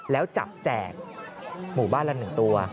แล้วจับแจกหมู่บ้านละ๑ตัว